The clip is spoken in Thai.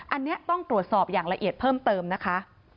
อันนี้ต้องตรวจสอบอย่างละเอียดเพิ่มเติมนะคะ